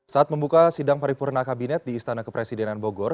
saat membuka sidang paripurna kabinet di istana kepresidenan bogor